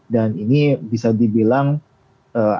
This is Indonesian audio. dan ini bisa dibilang akan menjadi faktor bukan menurunkan ya